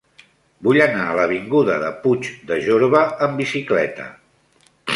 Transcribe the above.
Vull anar a l'avinguda de Puig de Jorba amb bicicleta.